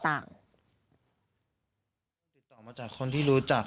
จากนั้นก็จะนำมาพักไว้ที่ห้องพลาสติกไปวางเอาไว้ตามจุดนัดต่าง